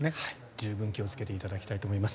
十分気をつけていただきたいと思います。